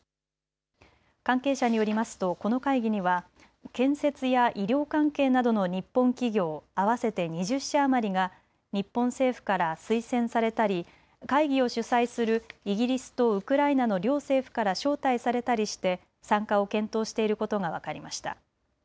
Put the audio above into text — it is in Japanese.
関係者によりますとこの会議には建設や医療関係などの日本企業合わせて２０社余りが日本政府から推薦されたり会議を主催するイギリスとウクライナの両政府から招待されたりして参加を検討していることが分かりました。